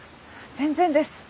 全然です。